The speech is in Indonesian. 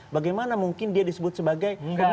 bagaimana mungkin dia disebut sebagai pemicu sarah